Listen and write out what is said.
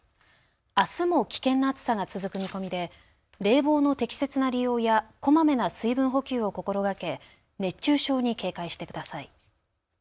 あすも危険な暑さが続く見込みで冷房の適切な利用やこまめな水分補給を心がけ熱中症に警戒してください。